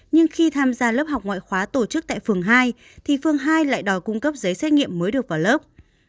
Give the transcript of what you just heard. nhưng khi tham gia lớp học ngoại khóa tổ chức tại phường hai thì phương hai lại đòi cung cấp giấy xét nghiệm mới được vào lớp